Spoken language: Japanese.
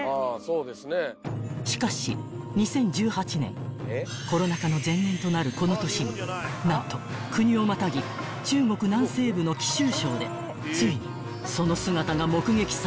［しかし２０１８年コロナ禍の前年となるこの年に何と国をまたぎ中国南西部の貴州省でついにその姿が目撃された］